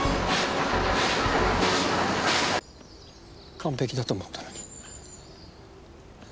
完璧だと思ったのにどうして？